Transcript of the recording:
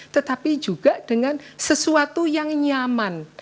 tetapi juga dengan sesuatu yang nyaman